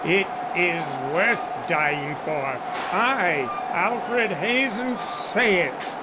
It is worth dying for, I, Alfred Hazen, say it."